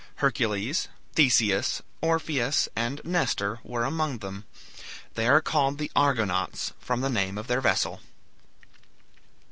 Hercules, Theseus, Orpheus, and Nestor were among them. They are called the Argonauts, from the name of their vessel.